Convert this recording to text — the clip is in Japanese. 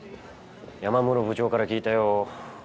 山室部長から聞いたよ。